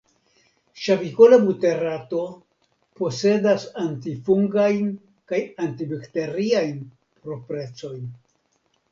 Ŝavikola buterato posedas antifungajn kaj antibakteriajn proprecojn.